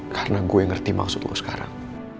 karena gue ngerti maksud lo sekarang